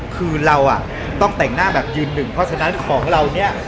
คือเราต้องแต่งหน้าแบบยืนหนึ่งเพราะฉะนั้นของเราเนี่ย